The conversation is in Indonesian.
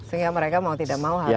sehingga mereka mau tidak mau harus